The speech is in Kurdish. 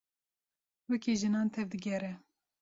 Wekî jinan tev digere.